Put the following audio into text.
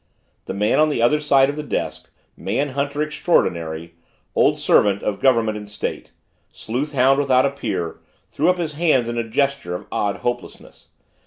The man on the other side of the desk, man hunter extraordinary, old servant of Government and State, sleuthhound without a peer, threw up his hands in a gesture of odd hopelessness.